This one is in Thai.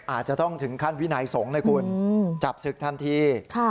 อาจจะต้องถึงขั้นวินัยสงฆ์นะคุณจับศึกทันที